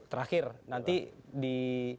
terakhir nanti di